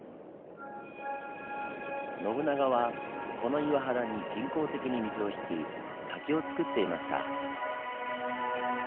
信長はこの岩肌に人工的に水を引き滝をつくっていました。